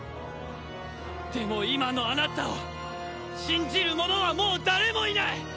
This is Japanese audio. でも今のあなたを信じる者はもう誰もいない！